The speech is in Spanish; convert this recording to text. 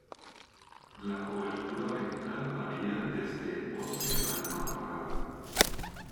La cobertura vegetal varía desde el bosque al matorral.